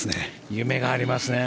夢がありますね。